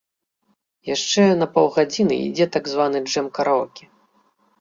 Яшчэ на паўгадзіны ідзе так званы джэм-караоке.